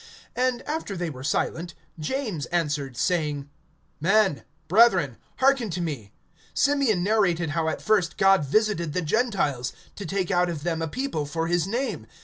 (13)And after they were silent, James answered, saying: Men, brethren, hearken to me. (14)Simeon narrated how at first God visited the Gentiles, to take out of them a people for his name.